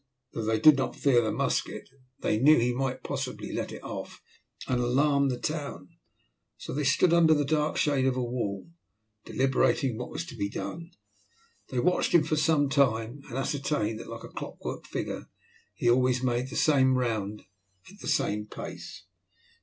Though they did not fear the musket, they knew he might possibly let it off and alarm the town, so they stood under the dark shade of a wall, deliberating what was to be done. They watched him for some time, and ascertained that, like a clockwork figure, he always made the same round at the same pace.